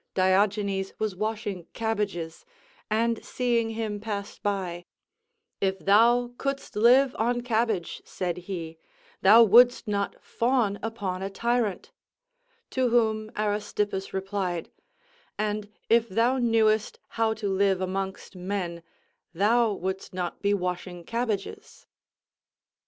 Diogenes was washing cabbages, and seeing him pass by, "If thou couldst live on cabbage," said he, "thou wouldst not fawn upon a tyrant;" to whom Aristippus replied, "And if thou knewest how to live amongst men, thou wouldst not be washing cabbages."